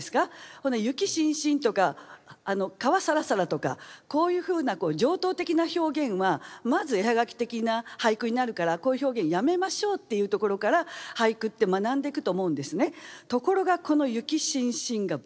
こんな「雪しんしん」とか「川さらさら」とかこういうふうな常とう的な表現はまず絵葉書的な俳句になるからこういう表現やめましょうっていうところから俳句って学んでいくと思うんですね。